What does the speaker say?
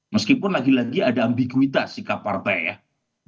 meskipun lagi lagi ada ambiguitas sikap partai ya